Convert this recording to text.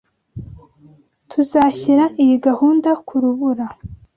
Tuzashyira iyi gahunda kurubura.